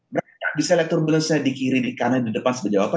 mereka tidak bisa melihat turbulensinya di kiri di kanan di depan sebagainya apa